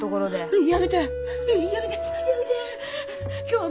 はい。